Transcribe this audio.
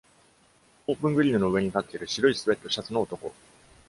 オープングリルの上に立っている白いスウェットシャツの男。